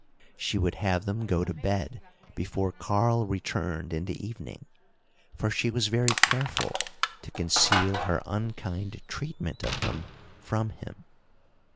She would have them to go to bed before Karl returned in the evening, for she was very careful to conceal her unkind treatment of them from him.